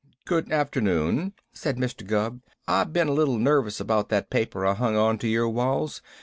"Good afternoon," said Mr. Gubb. "I been a little nervous about that paper I hung onto your walls.